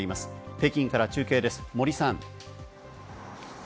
北京から中継です、森さん。